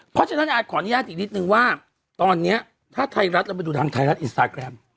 เพราะฉะนั้นอาจขออนุญาตอีกนิดนึงว่าตอนนี้ถ้าไทยรัฐเราไปดูทางไทยรัฐอินสตาแกรม